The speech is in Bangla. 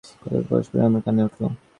কথাটা পরম্পরায় আমার কানে উঠল।